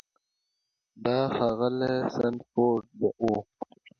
دا سړی ښاغلی سنډفورډ و.